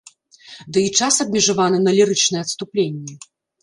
Ды і час абмежаваны на лірычныя адступленні.